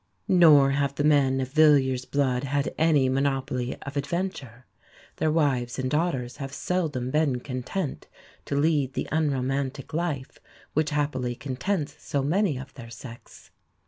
Nor have the men of Villiers' blood had any monopoly of adventure. Their wives and daughters have seldom been content to lead the unromantic life which happily contents so many of their sex.